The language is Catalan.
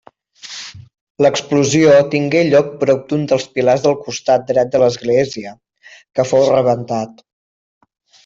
L'explosió tingué lloc prop d'un dels pilars del costat dret de l'església, que fou rebentat.